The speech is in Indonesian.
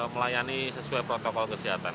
melayani sesuai protokol kesehatan